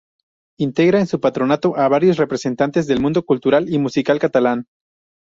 Integra en su Patronato a varios representantes del mundo cultural y musical catalán.